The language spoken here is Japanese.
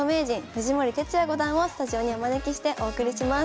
藤森哲也五段をスタジオにお招きしてお送りします。